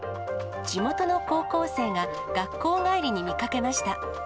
地元の高校生が、学校帰りに見かけました。